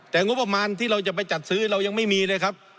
แต่งบประมาณที่เราจะไปจัดซื้อเรายังไม่มีเลยครับ